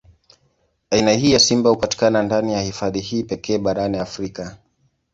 Aina hii ya simba hupatikana ndani ya hifadhi hii pekee barani Afrika.